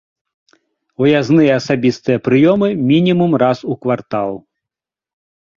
Выязныя асабістыя прыёмы мінімум раз у квартал.